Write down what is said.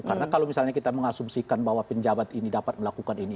karena kalau misalnya kita mengasumsikan bahwa penjabat ini dapat melakukan ini